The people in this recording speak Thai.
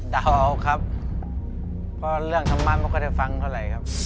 เดาเอาครับเพราะเรื่องธรรมะไม่ค่อยได้ฟังเท่าไหร่ครับ